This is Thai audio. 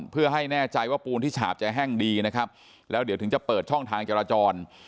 เพื่อให้แน่ใจว่าปูนที่ฉาบจะแห้งดีนะครับแล้วเดี๋ยวถึงจะเปิดช่องทางจราจร